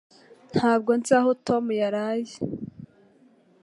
Ntabwo nzi aho Tom yaraye.